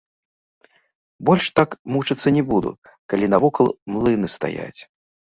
Больш так мучыцца не буду, калі навокал млыны стаяць.